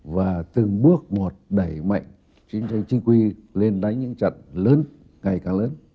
và từng bước một đẩy mạnh chiến tranh chính quy lên đánh những trận lớn ngày càng lớn